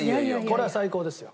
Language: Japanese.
これは最高ですよ。